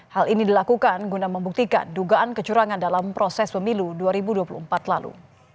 hal ini dilakukan guna membuktikan dugaan kecurangan dalam proses pemilu dua ribu dua puluh empat lalu